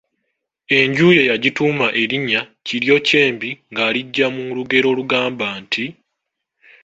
Enju ye yagituuma erinnya Kiryokyembi ng'aliggya mu lugero olugamba nti.